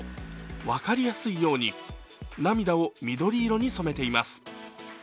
分かりやすいように涙を緑色に染めています。